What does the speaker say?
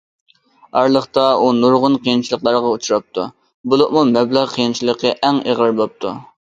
ئارىلىقتا ئۇ نۇرغۇن قىيىنچىلىقلارغا ئۇچراپتۇ، بولۇپمۇ مەبلەغ قىيىنچىلىقى ئەڭ ئېغىر بوپتۇ.